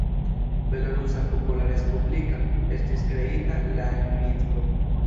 Belorusa Popola Respublika estis kreita la en Minsko.